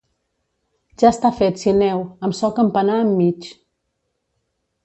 Ja està fet Sineu, amb so campanar enmig.